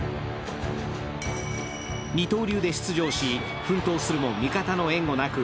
二刀流で出場し、奮闘するも味方の援護なく